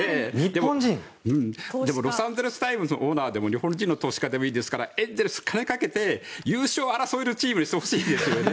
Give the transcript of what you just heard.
でも、ロサンゼルス・タイムズのオーナーでも日本人の投資家でもいいですからエンゼルス金かけて優勝を争えるチームにしてほしいですよね。